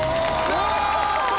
うわ！